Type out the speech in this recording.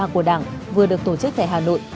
của đảng vừa được tổ chức tại hà nội